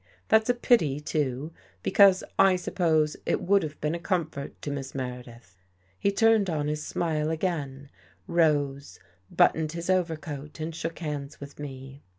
"That's a pity, too; because I sup pose it would have been a comfort to Miss Mere dith." He turned on his smile again, rose, buttoned his overcoat and shook hands with me.